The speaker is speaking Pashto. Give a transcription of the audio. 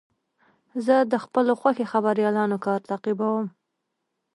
زه د خپلو خوښې خبریالانو کار تعقیبوم.